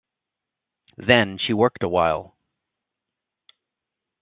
Then she worked awhile.